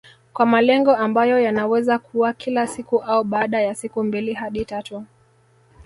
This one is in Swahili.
Kwa malengo ambayo yanaweza kuwa kila siku au baada ya siku mbili hadi tatu